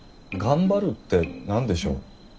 「頑張る」って何でしょう？